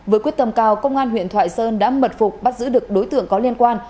với quyết tâm cao công an huyện thoại sơn đã mật phục bắt giữ được đối tượng có liên quan